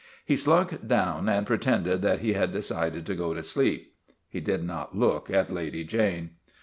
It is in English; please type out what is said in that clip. He slunk down and pretended that he had decided to go to sleep. He did not look at Lady Jane.